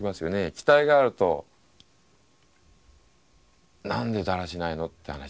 期待があると何でだらしないのって話になるじゃない。